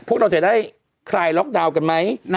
พวกเราจะได้คลายล็อกดาวน์กันไหม